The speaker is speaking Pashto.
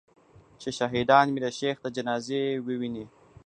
چي شاهداني مي د شیخ د جنازې وي وني